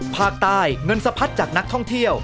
ภาคใต้เงินสะพัดจากนักท่องเที่ยว